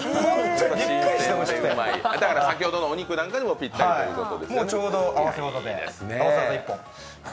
先ほどのお肉なんかにもぴったりということですね。